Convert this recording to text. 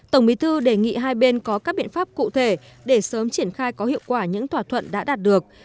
tổng bí thư đề nghị hai bên có các biện pháp cụ thể để sớm triển khai có hiệu quả những thỏa thuận đã đạt được